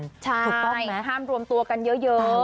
ถูกต้องไหมถูกต้องไหมใช่ห้ามรวมตัวกันเยอะ